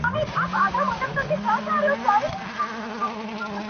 پکښي غورځي د پلار وينه -